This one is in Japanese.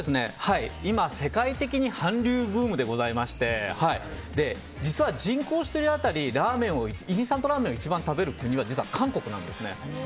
今、世界的に韓流ブームでございまして実は人口１人当たりインスタントラーメンを一番食べる国は実は韓国なんですね。